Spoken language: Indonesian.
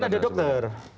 kan ada dokter